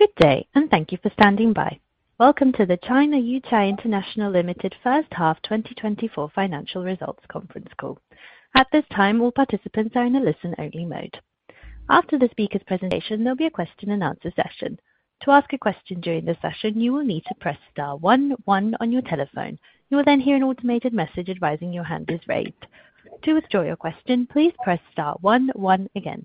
Good day, and thank you for standing by. Welcome to the China Yuchai International Limited first half 2024 financial results conference call. At this time, all participants are in a listen-only mode. After the speaker's presentation, there'll be a question-and-answer session. To ask a question during the session, you will need to press star one one on your telephone. You will then hear an automated message advising your hand is raised. To withdraw your question, please press star one one again.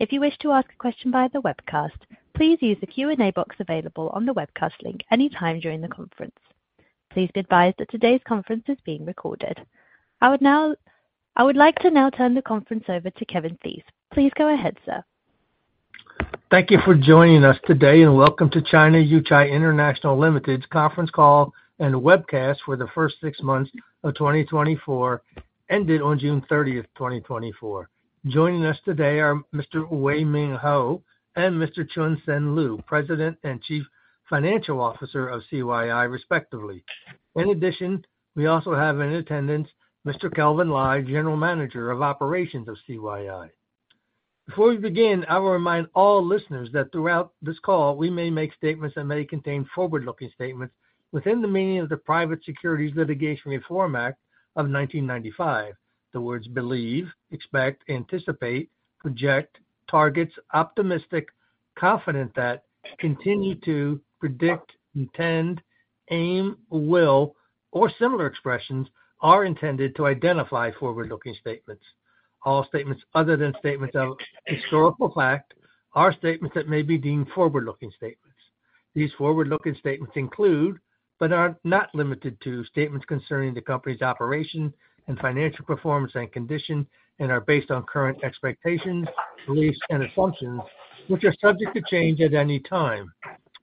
If you wish to ask a question via the webcast, please use the Q&A box available on the webcast link anytime during the conference. Please be advised that today's conference is being recorded. I would like to now turn the conference over to Kevin Theiss. Please go ahead, sir. Thank you for joining us today, and welcome to China Yuchai International Limited's conference call and webcast for the first six months of 2024, ended on June 30, 2024. Joining us today are Mr. Hoh Weng Ming and Mr. Loo Choon Sen, President and Chief Financial Officer of CYI, respectively. In addition, we also have in attendance Mr. Kelvin Lai, General Manager of Operations of CYI. Before we begin, I will remind all listeners that throughout this call we may make statements that may contain forward-looking statements within the meaning of the Private Securities Litigation Reform Act of 1995. The words believe, expect, anticipate, project, targets, optimistic, confident that, continue to, predict, intend, aim, will, or similar expressions are intended to identify forward-looking statements. All statements other than statements of historical fact are statements that may be deemed forward-looking statements. These forward-looking statements include, but are not limited to, statements concerning the company's operation and financial performance and condition, and are based on current expectations, beliefs, and assumptions, which are subject to change at any time.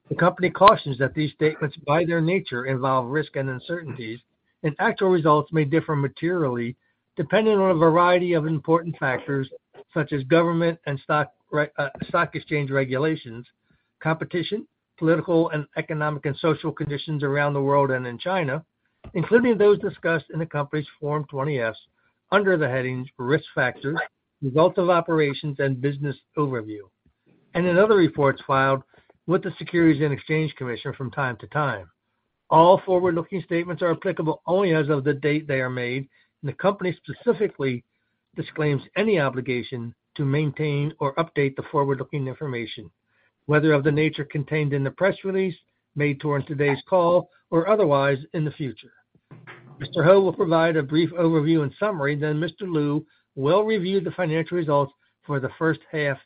The company cautions that these statements, by their nature, involve risk and uncertainties, and actual results may differ materially depending on a variety of important factors, such as government and stock exchange regulations, competition, political and economic and social conditions around the world and in China, including those discussed in the company's Form 20-F under the headings Risk Factors, Results of Operations, and Business Overview, and in other reports filed with the Securities and Exchange Commission from time to time. All forward-looking statements are applicable only as of the date they are made, and the company specifically disclaims any obligation to maintain or update the forward-looking information, whether of the nature contained in the press release, made towards today's call, or otherwise in the future. Mr. Hoh will provide a brief overview and summary, then Mr. Loo will review the financial results for the first half,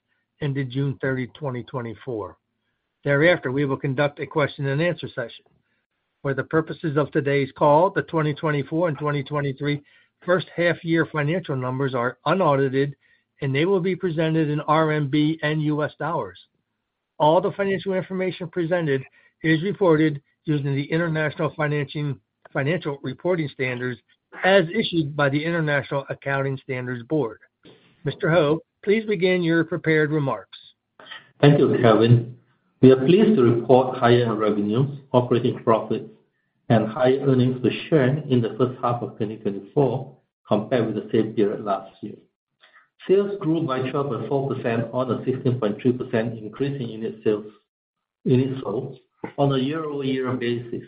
ended June 30, 2024. Thereafter, we will conduct a question-and-answer session. For the purposes of today's call, the 2024 and 2023 first half-year financial numbers are unaudited, and they will be presented in RMB and U.S. dollars. All the financial information presented is reported using the International Financial Reporting Standards, as issued by the International Accounting Standards Board. Mr. Hoh, please begin your prepared remarks. Thank you, Kevin. We are pleased to report higher revenues, operating profits, and higher earnings per share in the first half of 2024, compared with the same period last year. Sales grew by 12.4% on a 16.3% increase in unit sales, units sold on a year-over-year basis.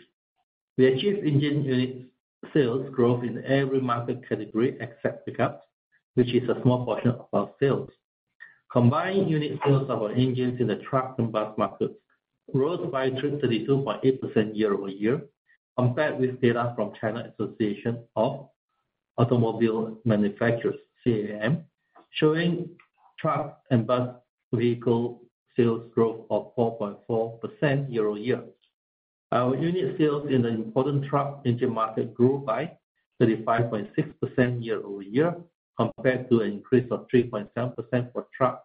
We achieved engine unit sales growth in every market category except pickups, which is a small portion of our sales. Combined unit sales of our engines in the truck and bus markets rose by 3%-32.8% year-over-year, compared with data from China Association of Automobile Manufacturers, CAAM, showing truck and bus vehicle sales growth of 4.4% year-over-year. Our unit sales in the important truck engine market grew by 35.6% year-over-year, compared to an increase of 3.7% for truck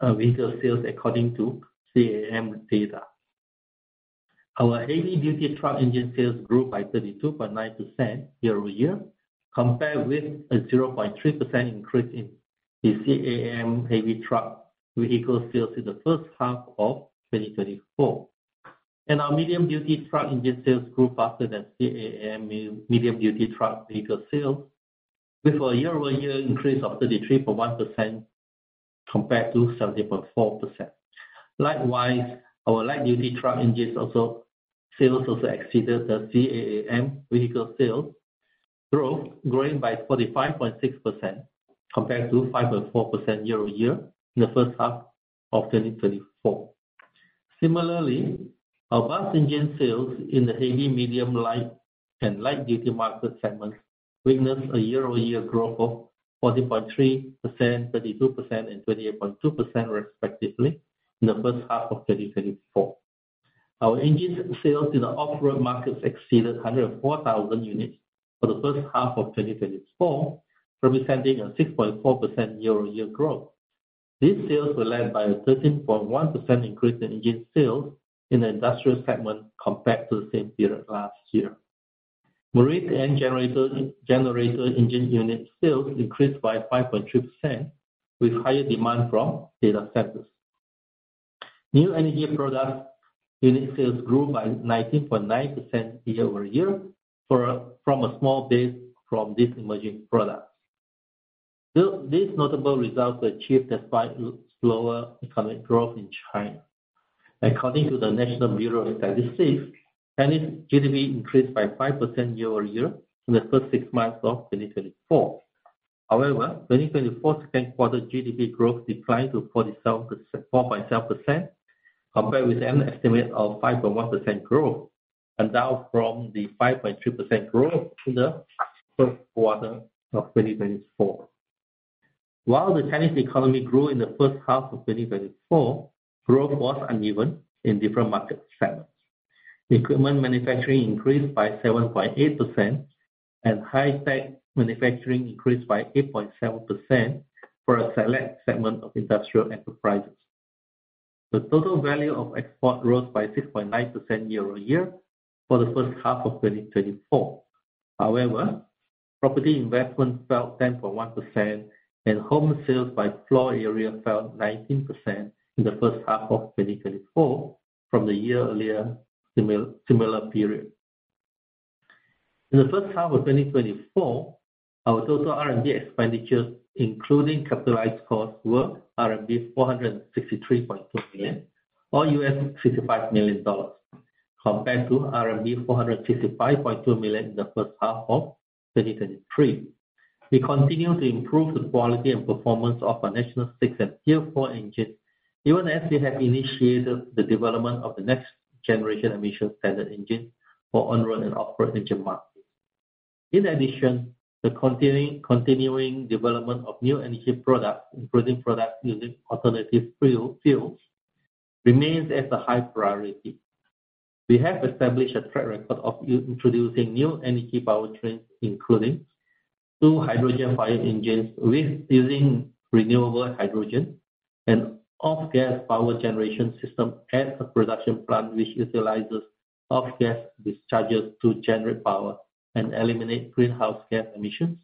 vehicle sales, according to CAAM data. Our heavy-duty truck engine sales grew by 32.9% year-over-year, compared with a 0.3% increase in the CAAM heavy truck vehicle sales in the first half of 2024. Our medium-duty truck engine sales grew faster than CAAM medium-duty truck vehicle sales with a year-over-year increase of 33.1%, compared to 70.4%. Likewise, our light-duty truck engines sales also exceeded the CAAM vehicle sales growth, growing by 45.6%, compared to 5.4% year-over-year in the first half of 2024. Similarly, our bus engine sales in the heavy, medium, light, and light-duty market segments witnessed a year-over-year growth of 14.3%, 32%, and 28.2%, respectively, in the first half of 2024. Our engine sales in the off-road markets exceeded 104,000 units for the first half of 2024, representing a 6.4% year-over-year growth. These sales were led by a 13.1% increase in engine sales in the industrial segment compared to the same period last year. Marine and generator, generator engine unit sales increased by 5.2%, with higher demand from data centers. New energy product unit sales grew by 19.9% year over year from a small base from this emerging product. So these notable results were achieved despite slower economic growth in China. According to the National Bureau of Statistics, Chinese GDP increased by 5% year-over-year in the first six months of 2024. However, 2024 second quarter GDP growth declined to 4.7%, 4.7%, compared with an estimate of 5.1% growth, and down from the 5.3% growth in the first quarter of 2024. While the Chinese economy grew in the first half of 2024, growth was uneven in different market segments. Equipment manufacturing increased by 7.8%, and high-tech manufacturing increased by 8.7% for a select segment of industrial enterprises. The total value of export rose by 6.9% year-over-year for the first half of 2024. However, property investment fell 10.1%, and home sales by floor area fell 19% in the first half of 2024 from the year-earlier similar period. In the first half of 2024, our total RMB expenditures, including capitalized costs, were RMB 463.2 million, or $55 million, compared to RMB 455.2 million in the first half of 2023. We continue to improve the quality and performance of our National VI and Tier 4 engines, even as we have initiated the development of the next generation emission standard engine for on-road and off-road engine markets. In addition, the continuing development of new energy products, including products using alternative fuels, remains as a high priority. We have established a track record of introducing new energy powertrains, including 2 hydrogen-fired engines with using renewable hydrogen and off-gas power generation system at a production plant, which utilizes off-gas discharges to generate power and eliminate greenhouse gas emissions,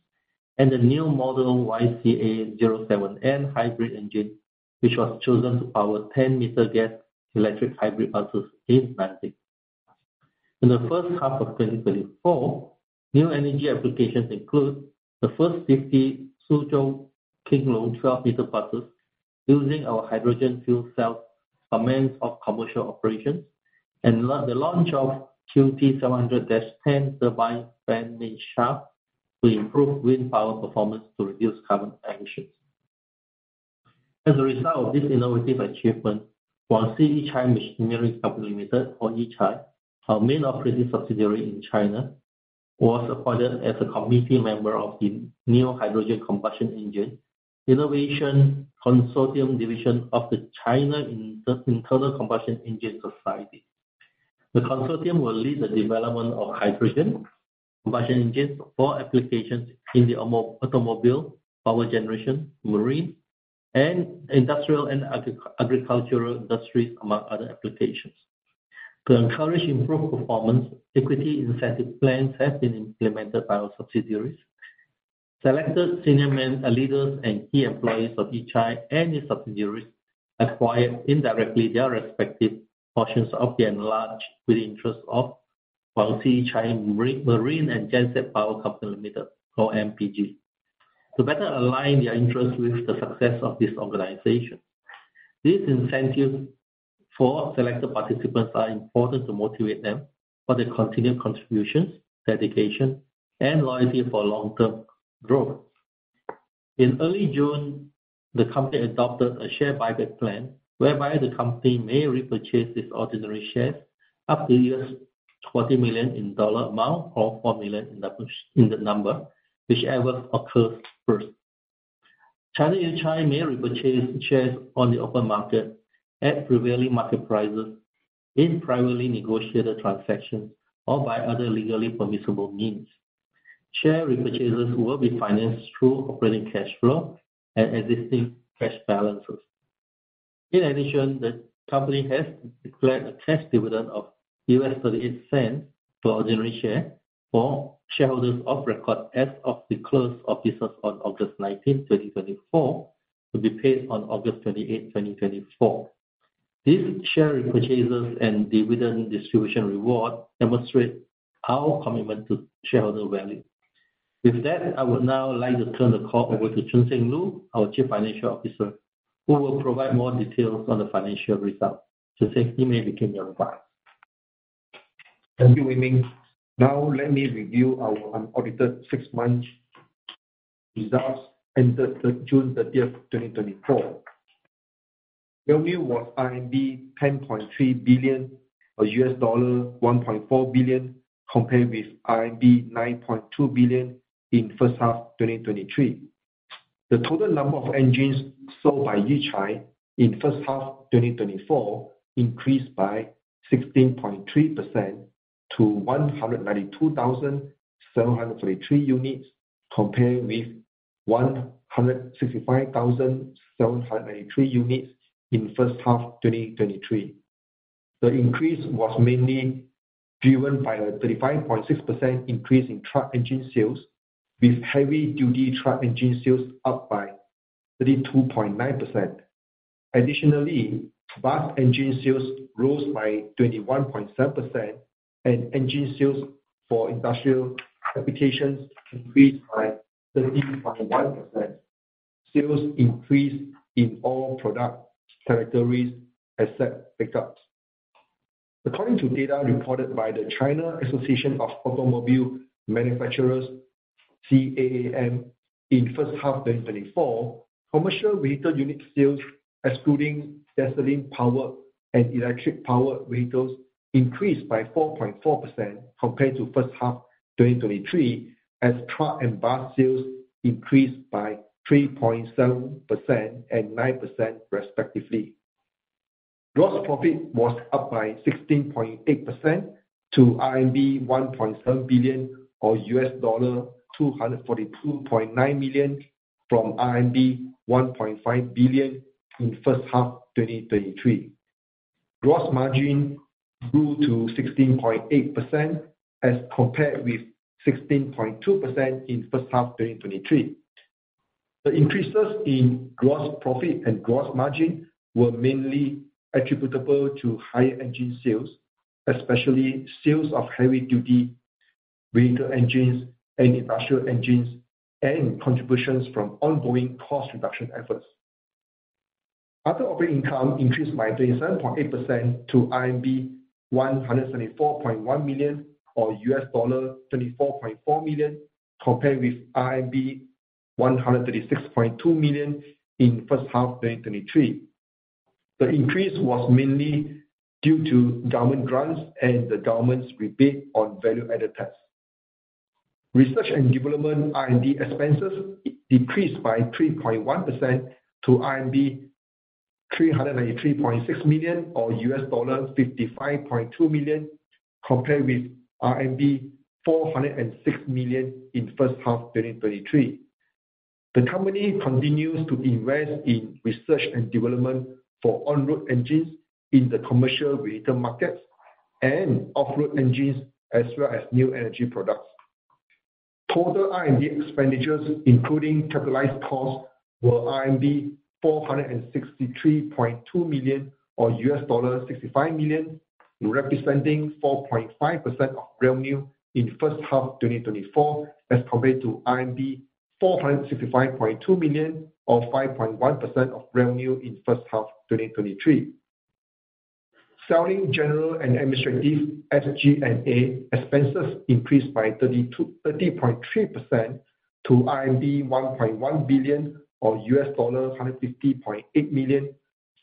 and a new model, YCA07N hybrid engine, which was chosen to power 10-meter gas electric hybrid buses in Nanjing. In the first half of 2024, new energy applications include the first 50 Suzhou King Long 12-meter buses using our hydrogen fuel cell, commencement of commercial operations and the launch of QT700-10 turbine fan main shaft to improve wind power performance to reduce carbon emissions. As a result of this innovative achievement, Guangxi Yuchai Machinery Company Limited, or GYMCL, our main operating subsidiary in China, was appointed as a committee member of the new Hydrogen Engine Innovation Consortium division of the China Internal Combustion Engine Society. The consortium will lead the development of hydrogen combustion engines for applications in the automobile, power generation, marine and industrial and agricultural industries, among other applications. To encourage improved performance, equity incentive plans have been implemented by our subsidiaries. Selected senior management, leaders and key employees of GYMCL and its subsidiaries acquired indirectly their respective portions of the enlarged equity interest of Guangxi Yuchai Marine and Genset Power Co., Ltd., or MGP, to better align their interests with the success of this organization. These incentives for selected participants are important to motivate them for their continued contributions, dedication, and loyalty for long-term growth. In early June, the company adopted a share buyback plan, whereby the company may repurchase its ordinary shares up to $40 million in dollar amount or 4 million in the number, whichever occurs first. China Yuchai may repurchase shares on the open market at prevailing market prices, in privately negotiated transactions, or by other legally permissible means. Share repurchases will be financed through operating cash flow and existing cash balances. In addition, the company has declared a cash dividend of $0.38 per ordinary share, for shareholders of record as of the close of business on August 19, 2024, to be paid on August 28, 2024. These share repurchases and dividend distribution reward demonstrate our commitment to shareholder value. With that, I would now like to turn the call over to Loo Choon Sen, our Chief Financial Officer, who will provide more details on the financial results. Choon Sen, you may begin your part. Thank you, Hoh Weng Ming. Now let me review our unaudited six-month results ended June 30, 2024. Revenue was RMB 10.3 billion, or $1.4 billion, compared with RMB 9.2 billion in first half 2023. The total number of engines sold by Yuchai in first half 2024 increased by 16.3% to 192,733 units, comparing with 165,793 units in first half 2023. The increase was mainly driven by a 35.6% increase in truck engine sales, with heavy-duty truck engine sales up by 32.9%. Additionally, bus engine sales rose by 21.7%, and engine sales for industrial applications increased by 30.1%. Sales increased in all product territories, except pickups. According to data reported by the China Association of Automobile Manufacturers, CAAM, in first half 2024, commercial vehicle unit sales, excluding gasoline-powered and electric-powered vehicles, increased by 4.4% compared to first half 2023, as truck and bus sales increased by 3.7% and 9% respectively. Gross profit was up by 16.8% to RMB 1.7 billion or $242.9 million, from RMB 1.5 billion in first half 2023. Gross margin grew to 16.8% as compared with 16.2% in first half 2023. The increases in gross profit and gross margin were mainly attributable to higher engine sales, especially sales of heavy-duty vehicle engines and industrial engines, and contributions from ongoing cost reduction efforts. Other operating income increased by 37.8% to RMB 174.1 million, or $24.4 million, compared with RMB 136.2 million in first half 2023. The increase was mainly due to government grants and the government's rebate on value-added tax. Research and development, R&D, expenses decreased by 3.1% to RMB 383.6 million, or $55.2 million, compared with RMB 406 million in first half 2023. The company continues to invest in research and development for on-road engines in the commercial vehicle markets and off-road engines, as well as new energy products. Total R&D expenditures, including capitalized costs, were RMB 463.2 million, or $65 million, representing 4.5% of revenue in first half 2024, as compared to RMB 465.2 million or 5.1% of revenue in first half 2023. Selling, general, and administrative, SG&A, expenses increased by 30.3% to RMB 1.1 billion, or $150.8 million,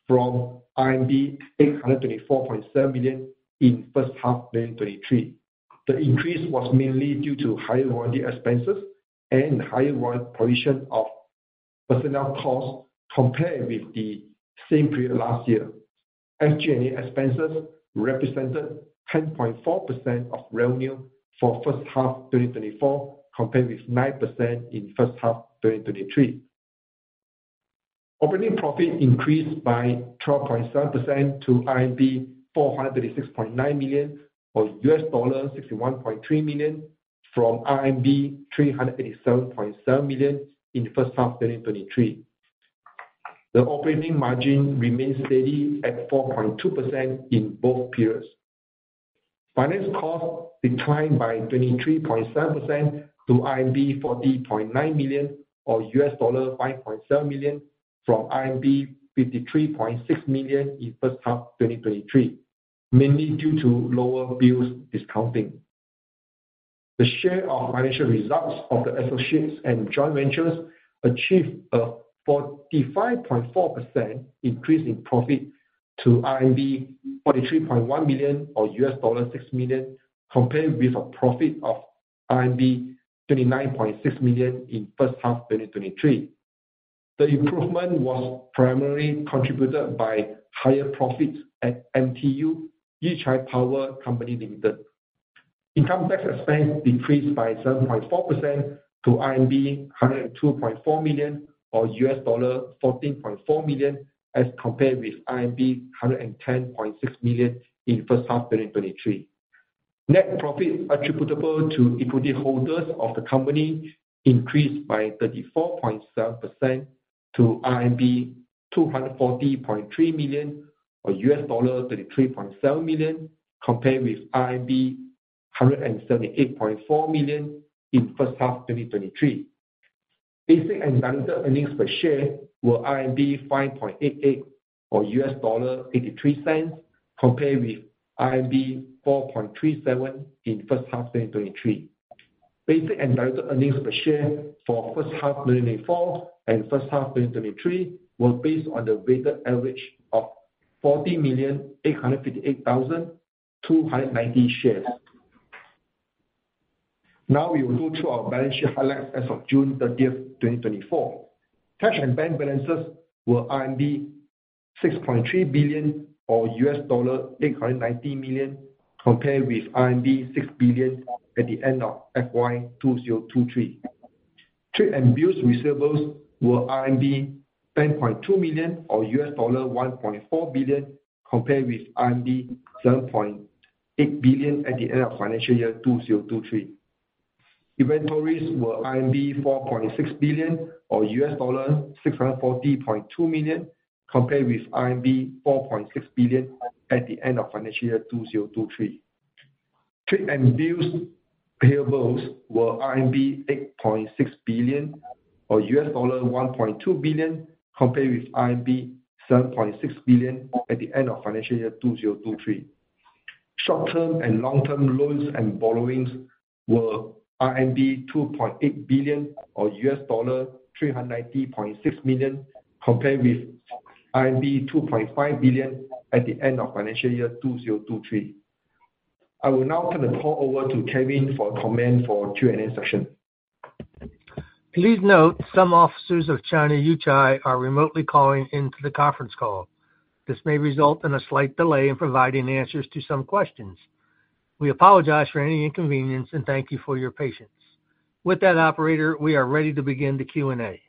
from RMB 824.7 million in first half 2023. The increase was mainly due to higher warranty expenses and higher warranty provision of personnel costs compared with the same period last year. SG&A expenses represented 10.4% of revenue for first half 2024, compared with 9% in first half 2023. Operating profit increased by 12.7% to 436.9 million, or $61.3 million, from RMB 387.7 million in the first half 2023. The operating margin remained steady at 4.2% in both periods. Finance costs declined by 23.7% to RMB 40.9 million, or $5.7 million, from RMB 53.6 million in first half 2023, mainly due to lower bills discounting. The share of financial results of the associates and joint ventures achieved a 45.4% increase in profit to RMB 43.1 million, or $6 million, compared with a profit of RMB 29.6 million in first half 2023. The improvement was primarily contributed by higher profits at MTU Yuchai Power Company Limited. Income tax expense decreased by 7.4% to RMB 102.4 million, or $14.4 million, as compared with RMB 110.6 million in first half 2023. Net profit attributable to equity holders of the company increased by 34.7% to RMB 240.3 million, or $33.7 million, compared with RMB 178.4 million in first half 2023. Basic and diluted earnings per share were RMB 5.88 or $0.83, compared with RMB 4.37 in first half 2023. Basic and diluted earnings per share for first half 2024 and first half 2023 were based on the weighted average of 40,858,290 shares. Now we will go through our balance sheet highlights as of June 30, 2024. Cash and bank balances were RMB 6.3 billion, or $890 million, compared with RMB 6 billion at the end of FY 2023. Trade and bills receivables were RMB 10.2 billion, or $1.4 billion, compared with RMB 7.8 billion at the end of financial year 2023.... Inventories were 4.6 billion, or $640.2 million, compared with 4.6 billion at the end of financial year 2023. Trade and bills payables were RMB 8.6 billion, or $1.2 billion, compared with RMB 7.6 billion at the end of financial year 2023. Short-term and long-term loans and borrowings were RMB 2.8 billion, or $390.6 million, compared with RMB 2.5 billion at the end of financial year 2023. I will now turn the call over to Kevin for comment for Q&A session. Please note, some officers of China Yuchai are remotely calling into the conference call. This may result in a slight delay in providing answers to some questions. We apologize for any inconvenience, and thank you for your patience. With that, operator, we are ready to begin the Q&A.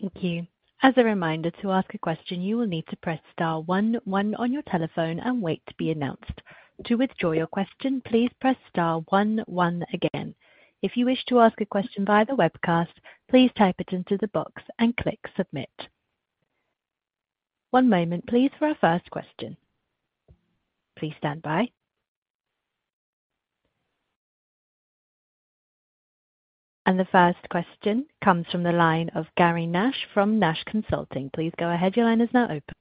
Thank you. As a reminder, to ask a question, you will need to press star one one on your telephone and wait to be announced. To withdraw your question, please press star one one again. If you wish to ask a question via the webcast, please type it into the box and click submit. One moment, please, for our first question. Please stand by. And the first question comes from the line of Gary Nash from Nash Consulting. Please go ahead. Your line is now open.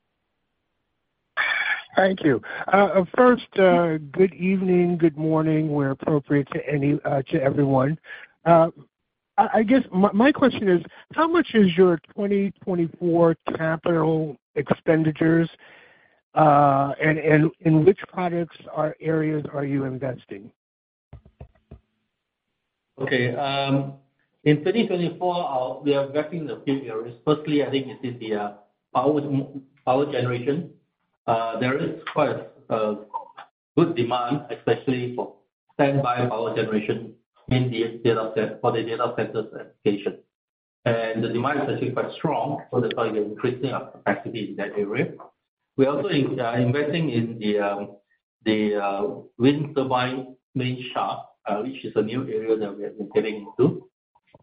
Thank you. First, good evening, good morning, where appropriate to anyone, to everyone. I guess my question is, how much is your 2024 capital expenditures, and in which products or areas are you investing? Okay. In 2024, we are investing in a few areas. Firstly, I think this is the power, power generation. There is quite a good demand, especially for standby power generation in the data center, for the data centers application. And the demand is actually quite strong, so that's why we are increasing our capacity in that area. We are also investing in the wind turbine main shaft, which is a new area that we have been getting into.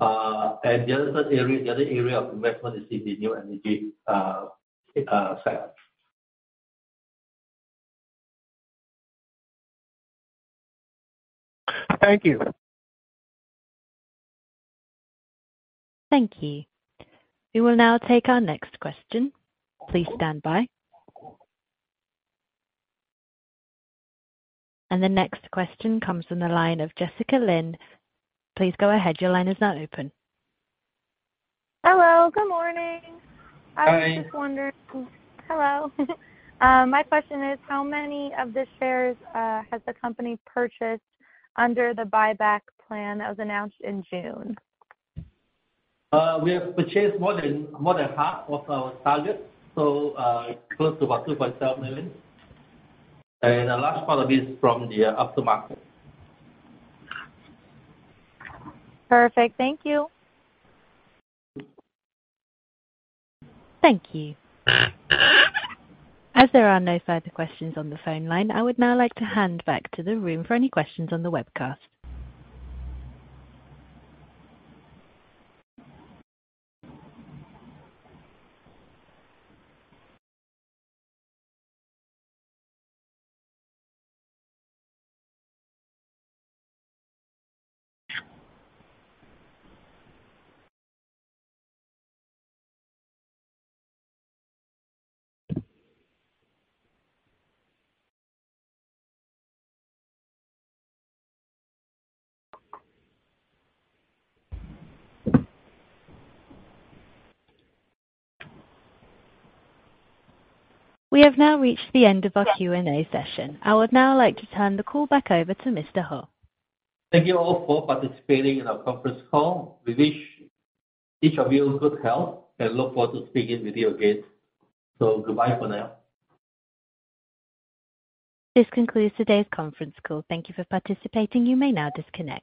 And the other area, the other area of investment is in the new energy sector. Thank you. Thank you. We will now take our next question. Please stand by. The next question comes from the line of Jessica Lynn. Please go ahead. Your line is now open. Hello, good morning. Hi. I was just wondering... Hello. My question is: how many of the shares has the company purchased under the buyback plan that was announced in June? We have purchased more than, more than half of our target, so, close to about 2.7 million, and the large part of it is from the after-market. Perfect. Thank you. Thank you. As there are no further questions on the phone line, I would now like to hand back to the room for any questions on the webcast. We have now reached the end of our Q&A session. I would now like to turn the call back over to Mr. Ho. Thank you all for participating in our conference call. We wish each of you good health and look forward to speaking with you again. So goodbye for now. This concludes today's conference call. Thank you for participating. You may now disconnect.